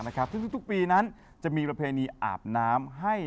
ซึ่งทุกปีนั้นจะมีประเพณีอาบน้ำให้